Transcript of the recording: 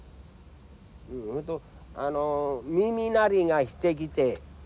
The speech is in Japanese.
それとあの耳鳴りがしてきて。